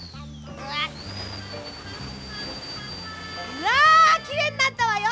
うわきれいになったわよ！